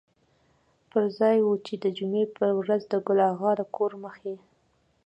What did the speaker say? پر ځای و چې د جمعې په ورځ د ګل اغا د کور مخکې.